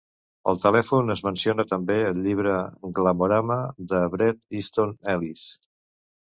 El telèfon es menciona també al llibre "Glamorama" de Bret Easton Ellis.